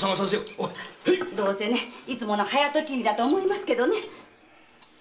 どうせいつもの早とちりだと思いますけどね。